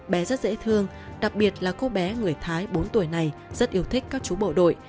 bé rất dễ thương đặc biệt là cô bé người thái bốn tuổi này rất yêu thích các chú bộ đội